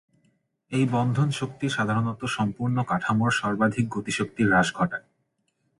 এই বন্ধন শক্তি সাধারণত সম্পূর্ণ কাঠামোর সর্বাধিক গতিশক্তি হ্রাস ঘটায়।